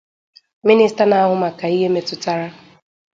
Minista na-ahụ maka ihe metụtara